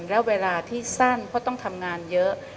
และเวลาที่สั้นเพราะต้องทำงานเยอะ